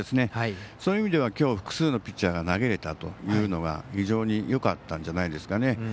そういう意味ではきょう複数のピッチャーが投げれたというのは非常によかったんじゃないですかね。